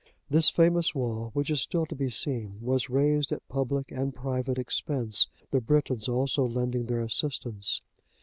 (79) This famous wall, which is still to be seen, was raised at public and private expense, the Britons also lending their assistance.